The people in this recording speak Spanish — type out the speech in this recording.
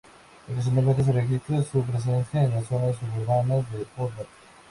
Ocasionalmente se registra su presencia en las zonas suburbanas de Hobart.